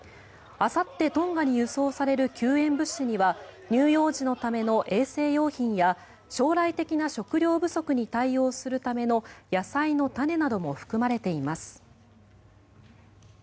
あさってトンガに輸送される救援物資には乳幼児のための衛生用品や将来的な食糧不足に対応するための野菜の種なども含まれています。